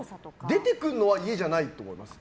出てくるのは家じゃないと思います。